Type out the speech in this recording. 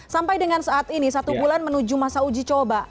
sampai dengan saat ini satu bulan menuju masa uji coba